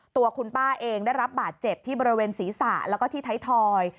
ตัวคุณป้าเองได้รับบาดเจ็บที่บริเวณศีรษะแล้วก็ที่ไทยทอย